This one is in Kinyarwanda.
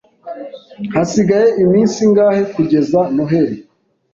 Hasigaye iminsi ingahe kugeza Noheri?